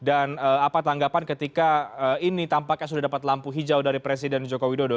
apa tanggapan ketika ini tampaknya sudah dapat lampu hijau dari presiden joko widodo